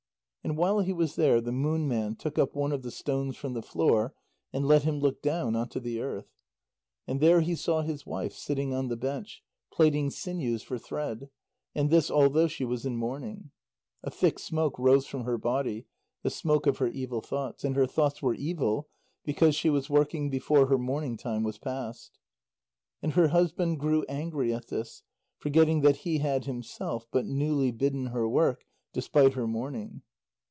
And while he was there, the Moon Man took up one of the stones from the floor, and let him look down on to the earth. And there he saw his wife sitting on the bench, plaiting sinews for thread, and this although she was in mourning. A thick smoke rose from her body; the smoke of her evil thoughts. And her thoughts were evil because she was working before her mourning time was passed. And her husband grew angry at this, forgetting that he had himself but newly bidden her work despite her mourning.